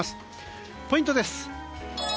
ポイントです。